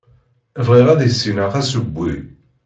Bɣiɣ ad issineɣ asewwi.